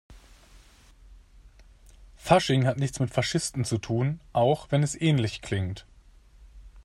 Fasching hat nichts mit Faschisten zu tun, auch wenn es ähnlich klingt.